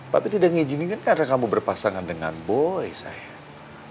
tapi tidak mengizinkan karena kamu berpasangan dengan boy sayang